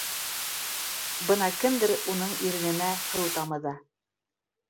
Бына кемдер уның ирененә һыу тамыҙа.